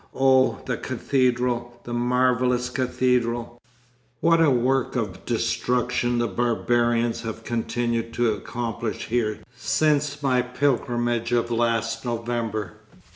Oh, the cathedral, the marvellous cathedral! what a work of destruction the barbarians have continued to accomplish here since my pilgrimage of last November.